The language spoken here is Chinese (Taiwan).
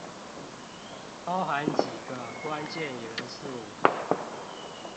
包含幾個關鍵元素